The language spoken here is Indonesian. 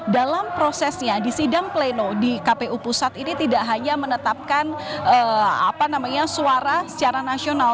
dalam prosesnya di sidang pleno di kpu pusat ini tidak hanya menetapkan suara secara nasional